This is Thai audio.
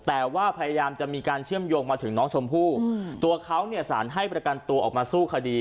แต่ว่าพยายามจะมีการเชื่อมโยงมาถึงน้องชมพู่ตัวเขาเนี่ยสารให้ประกันตัวออกมาสู้คดี